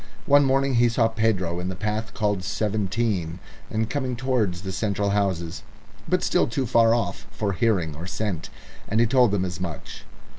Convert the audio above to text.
One morning he saw Pedro in the path called Seventeen and coming towards the central houses, but still too far off for hearing or scent, and he told them as much.